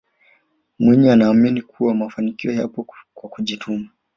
mwinyi anaamini kuwa mafanikio yapo kwa kujituma